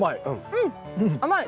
うん甘い。